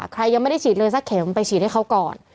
ใครยังไม่ได้ฉีดเลยสักเข็มไปฉีดให้เขาก่อน